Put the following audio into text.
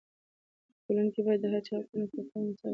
په ټولنه کې باید د هر چا حقونه په پوره انصاف ورکړل سي.